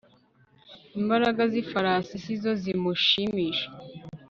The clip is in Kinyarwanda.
imbaraga z'ifarasi si zo zimushimisha